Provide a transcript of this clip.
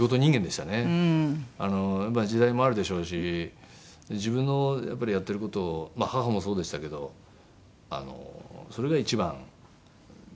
時代もあるでしょうし自分のやってる事を母もそうでしたけどそれが一番でしたね。